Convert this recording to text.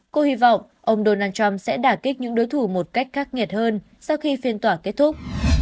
cô hy vọng ông donald trump sẽ đà kích những đối thủ một cách khắc nghiệt hơn sau khi phiên tòa kết thúc